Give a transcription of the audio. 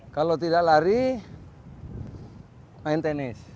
kalau tidak lari main tenis